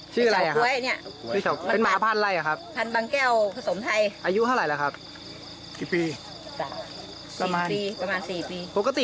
สี่ปีประมาณสี่ปีปกติ